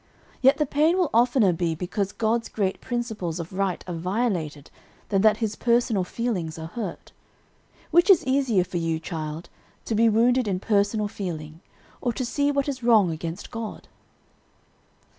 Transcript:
Yet the pain will oftener be because God's great principles of right are violated, than that his personal feelings are hurt. Which is easier for you, child, to be wounded in personal feeling, or to see what is wrong against God?"